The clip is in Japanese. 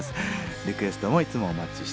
リクエストもいつもお待ちしています。